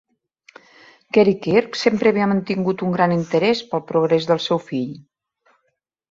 Gary Kirk sempre havia mantingut un gran interès pel progrés del seu fill.